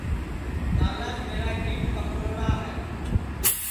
کالاس میرا گھیٹ پکڑوڑا ہے